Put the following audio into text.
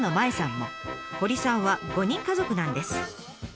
堀さんは５人家族なんです。